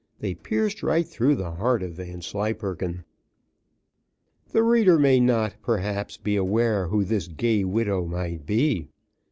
they pierced right through the heart of Vanslyperken. The reader may not, perhaps, be aware who this gay widow might be.